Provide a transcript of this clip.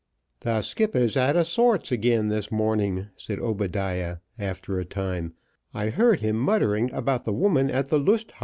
"The skipper's out o' sorts again this morning," said Obadiah, after a time. "I heard him muttering about the woman at the Lust Haus."